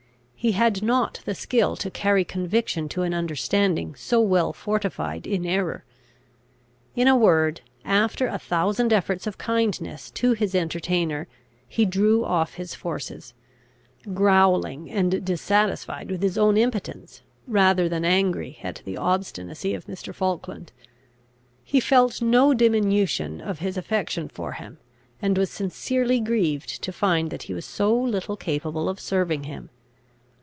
He had not the skill to carry conviction to an understanding so well fortified in error. In a word, after a thousand efforts of kindness to his entertainer, he drew off his forces, growling and dissatisfied with his own impotence, rather than angry at the obstinacy of Mr. Falkland. He felt no diminution of his affection for him, and was sincerely grieved to find that he was so little capable of serving him.